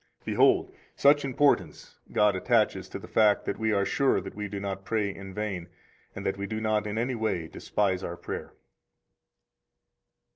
124 Behold, such importance God attaches to the fact that we are sure we do not pray in vain, and that we do not in any way despise our prayer.